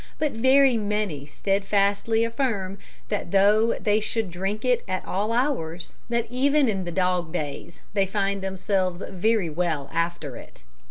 But very many steadfastly affirm, that tho' they shou'd drink it at all hours, and that even in the Dog days, they find themselves very well after it.